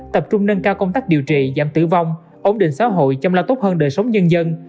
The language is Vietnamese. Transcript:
tập trung nâng cao công tác điều trị giảm tử vong ổn định xã hội chăm lo tốt hơn đời sống nhân dân